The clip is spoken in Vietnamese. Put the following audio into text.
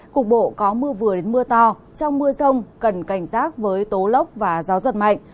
cục bộ có mưa vừa đến mưa to trong mưa rông cần cảnh giác với tố lốc và gió giật mạnh